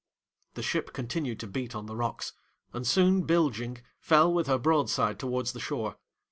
'The ship continued to beat on the rocks; and soon bilging, fell with her broadside towards the shore.